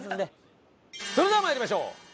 それでは参りましょう。